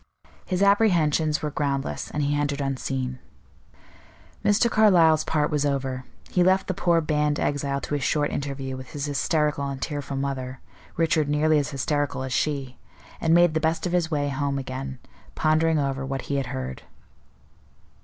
His apprehensions were groundless, and he entered unseen. Mr. Carlyle's part was over; he left the poor banned exile to his short interview with his hysterical and tearful mother, Richard nearly as hysterical as she, and made the best of his way home again, pondering over what he had heard.